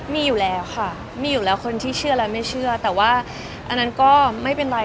มีอยู่แล้วค่ะมีอยู่แล้วคนที่เชื่อและไม่เชื่อแต่ว่าอันนั้นก็ไม่เป็นไร